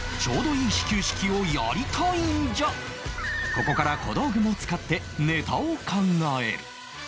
ここから小道具も使ってネタを考える